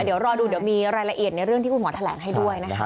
เดี๋ยวรอดูเดี๋ยวมีรายละเอียดในเรื่องที่คุณหมอแถลงให้ด้วยนะคะ